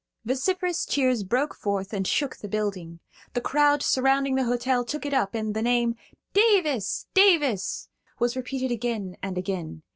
Vociferous cheers broke forth and shook the building. The crowd surrounding the hotel took it up, and the name "Davis!" "Davis!" was repeated again and again.